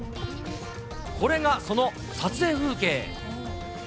これが、その撮影風景。